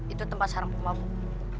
itu tempat sarang pemabuk